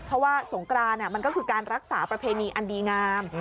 เพราะว่าสงกรานมันก็คือการรักษาประเพณีอันดีงาม